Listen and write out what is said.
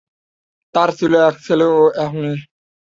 তার ছিল এক ছেলে ও এক মেয়ে।